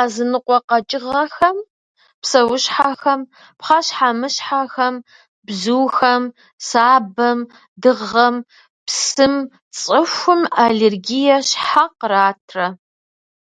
Языныкъуэ къэкӏыгъэхэм, псэущхьэхэм, пхъэщхьэмыщхьэхэм, бзухэм, сабэм, дыгъэм, псым цӏыхум аллергие щхьэ къратрэ?